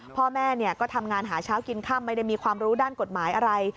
พ่อแม่ก็ทำงานหาเช้ากินค่ำไม่ได้มีความรู้ด้านกฎหมายอะไร